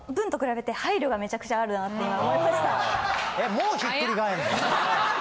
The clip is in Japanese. もうひっくり返るの？